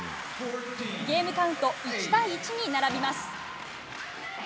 ゲームカウント１対１に並びます。